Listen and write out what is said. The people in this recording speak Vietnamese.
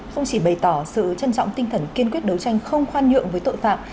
không chỉ bày tỏ sự trân trọng tinh thần kiên quyết đấu tranh không khoan nhượng với tội phạm